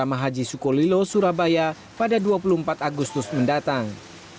asma haji sukolilo surabaya pada dua puluh empat agustus mendatang